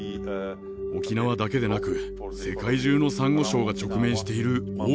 沖縄だけでなく世界中のサンゴ礁が直面している大きな問題です。